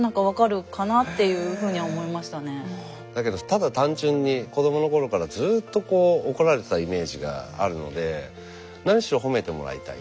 だけどただ単純に子どもの頃からずっと怒られてたイメージがあるので何しろ褒めてもらいたい。